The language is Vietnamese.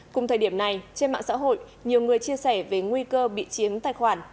cùng thời điểm này trên mạng xã hội nhiều người chia sẻ về nguy cơ bị chiếm tài khoản